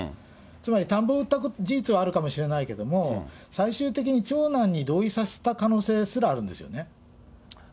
つまり田んぼを売った事実はあるかもしれないけど、最終的に長男に同意させた可能性すらあるんですよね。